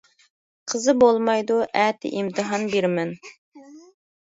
قىزى : بولمايدۇ، ئەتە ئىمتىھان بېرىمەن.